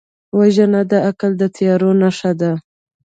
وژنه د عقل د تیارو نښه ده